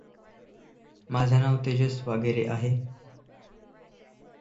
The team's colors were white, purple and black.